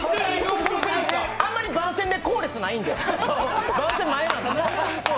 あんまり番宣で後列ないんで番宣、前なんで。